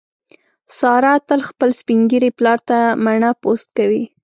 ساره تل خپل سپین ږیري پلار ته مڼه پوست کوي.